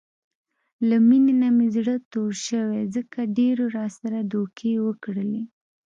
له مینې نه مې زړه تور شوی، ځکه ډېرو راسره دوکې وکړلې.